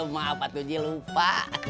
maaf pak tuh ji lupa